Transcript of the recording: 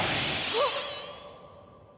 あっ！